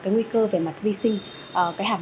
nguy cơ về mặt vi sinh